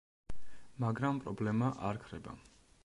მაგრამ პრობლემა არ ქრება.